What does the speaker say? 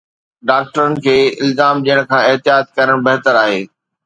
ڊاڪٽرن کي الزام ڏيڻ کان احتياط ڪرڻ بهتر آهي